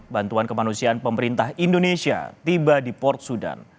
bantuan kemanusiaan pemerintah indonesia tiba di port sudan